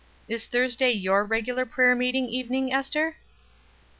Is Thursday your regular prayer meeting evening, Ester?"